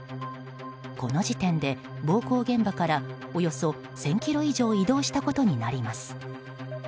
この時点で、暴行現場からおよそ１０００ｋｍ以上移動したことになります。